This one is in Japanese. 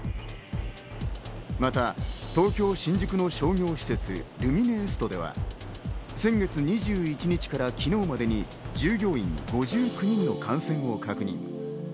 また東京新宿の商業施設ルミネエストでは先月２１日から昨日までに従業員５９人の感染を確認。